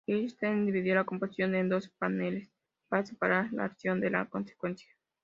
Lichtenstein dividió la composición en dos paneles para separar la acción de la consecuencia.